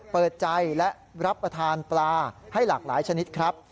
เปิดใจและรับประทานปลาให้หลากหลายชนิดครับ